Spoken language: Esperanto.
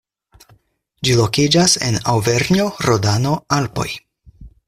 Ĝi lokiĝas en Aŭvernjo-Rodano-Alpoj.